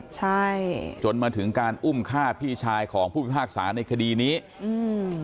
ใช่จนมาถึงการอุ้มฆ่าพี่ชายของผู้พิพากษาในคดีนี้อืม